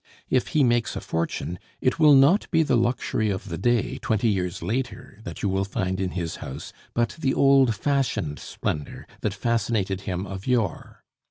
If he makes a fortune, it will not be the luxury of the day, twenty years later, that you will find in his house, but the old fashioned splendor that fascinated him of yore.